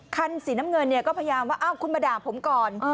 คันสีน้ำเงินเนี่ยก็พยายามว่าคุณมาด่าผมก่อน